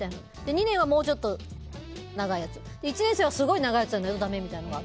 ２年はもうちょっと長いやつ１年生はすごい長いやつはダメみたいな。